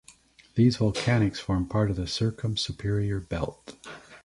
These volcanics form part of the Circum-Superior Belt.